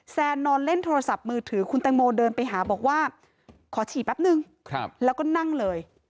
แซนนอนเล่นโทรศัพท์มือถือคุณแตงโมเดินไปหาบอกว่าขอฉีดแป๊บนึงแล้วก็นั่งเลย